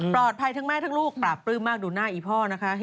ปลอดภัยทั้งแม่ทั้งลูกปราบปลื้มมากดูหน้าไอ้พ่อนะครับ